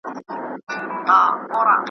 یو ګیدړ د شپې په ښکار وو راوتلی .